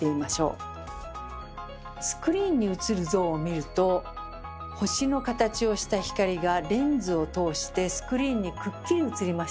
スクリーンに映る像を見ると星の形をした光がレンズを通してスクリーンにくっきり映りましたよね。